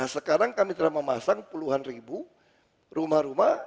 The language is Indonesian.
sekarang kami telah memasang puluhan ribu rumah rumah